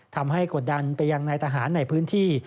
ทำให้กดดันไปยังในทหารในพื้นที่